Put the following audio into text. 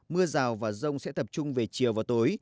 mưa rào và rông sẽ tập trung về chiều và tối